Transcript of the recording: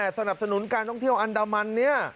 สนับสนุนการท่องเที่ยวอันดามันเนี่ย